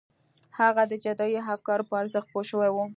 هغه د جادویي افکارو په ارزښت پوه شوی و